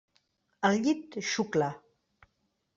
El llit xucla.